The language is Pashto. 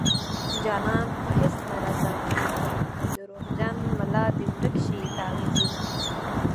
جانان په هيڅ نه رضا کيږي د دروغجن ملا دې ورک شي تعويذونه